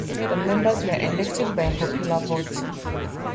The members were elected by a popular vote.